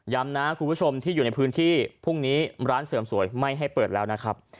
นะคุณผู้ชมที่อยู่ในพื้นที่พรุ่งนี้ร้านเสริมสวยไม่ให้เปิดแล้วนะครับ